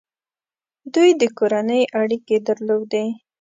دوی د کورنۍ اړیکې درلودې.